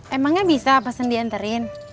emangnya bisa pesen dianterin